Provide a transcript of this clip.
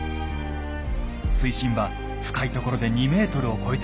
水深は深いところで２ｍを超えています。